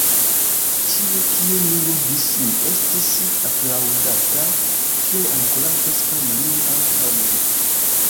Ĉie kie mi ludis, mi estis aplaŭdata kiel ankoraŭ preskaŭ neniu antaŭ mi.